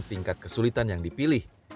tingkat kesulitan yang dipilih